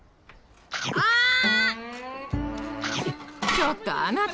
ちょっとあなた！